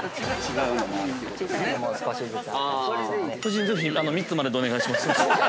◆夫人、ぜひ３つまででお願いします。